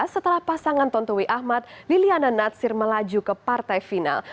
setelah pasangan tontowi ahmad liliana natsir melaju ke partai final